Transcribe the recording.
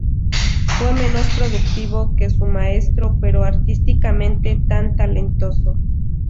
Fue menos productivo que su maestro, pero artísticamente tan talentoso.